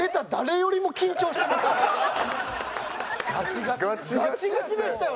ガチガチやったよ。